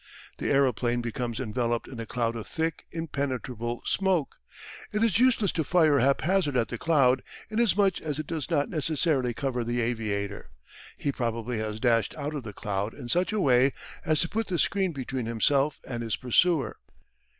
The aeroplane becomes enveloped in a cloud of thick impenetrable smoke. It is useless to fire haphazard at the cloud, inasmuch as it does not necessarily cover the aviator. He probably has dashed out of the cloud in such a way as to put the screen between himself and his pursuer.